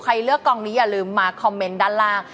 เลือกกองนี้อย่าลืมมาคอมเมนต์ด้านล่าง